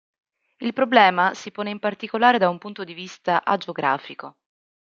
Il problema si pone in particolare da un punto di vista agiografico.